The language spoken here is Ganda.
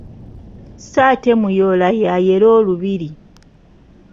Sso ate Muyoola ye ayera olubiri.